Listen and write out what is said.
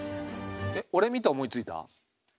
えっ俺見て思いついた？